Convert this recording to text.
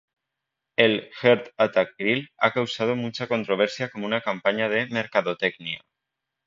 El Heart Attack Grill ha causado mucha controversia como una campaña de mercadotecnia.